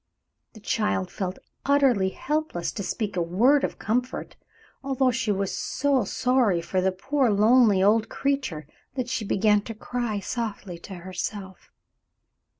The child felt utterly helpless to speak a word of comfort, although she was so sorry for the poor lonely old creature that she began to cry softly to herself.